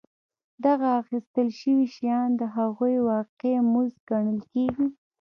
دغه اخیستل شوي شیان د هغوی واقعي مزد ګڼل کېږي